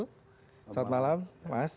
selamat malam mas